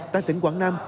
tại tỉnh quảng nam